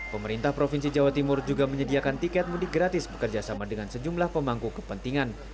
pemerintah provinsi jawa timur juga menyediakan tiket mudik gratis bekerjasama dengan sejumlah pemangku kepentingan